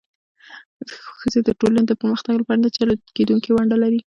ښځې د ټولنې د پرمختګ لپاره نه جلا کېدونکې ونډه لري.